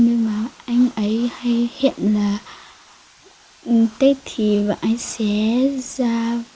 nhưng mà anh ấy hay hiện là tết thì và anh ấy sẽ ra